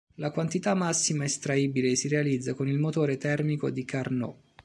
La quantità massima estraibile si realizza con il motore termico di Carnot.